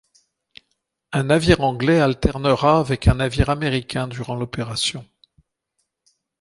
Un navire anglais alternera avec un navire américain durant l'opération.